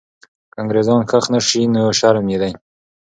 که انګریزان ښخ نه سوي، نو شرم یې دی.